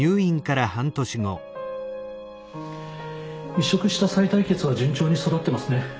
移植した臍帯血は順調に育ってますね。